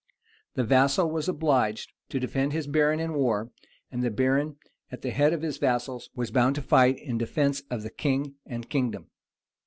The vassal was obliged to defend his baron in war; and the baron, at the head of his vassal, was bound to fight in defence of the king and kingdom.